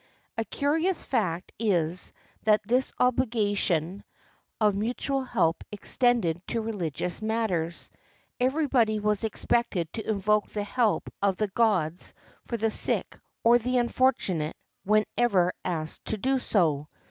A curious fact is that this obligation of mutual help extended to rehgious matters: everybody was expected to invoke the help of the gods for the sick or the unfor tunate, whenever asked to do so.